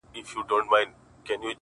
ما يې اوږده غمونه لنډي خوښۍ نه غوښتې”